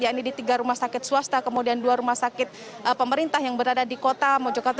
yakni di tiga rumah sakit swasta kemudian dua rumah sakit pemerintah yang berada di kota mojokerto